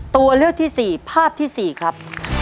ตัวเลือกที่๔ภาพที่๔ครับ